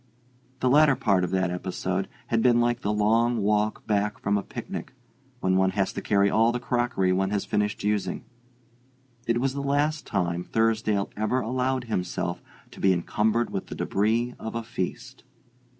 The latter part of that episode had been like the long walk back from a picnic, when one has to carry all the crockery one has finished using: it was the last time Thursdale ever allowed himself to be encumbered with the debris of a feast.